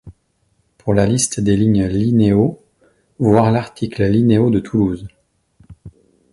Pour la liste des lignes Linéo, voir l'article Linéo de Toulouse.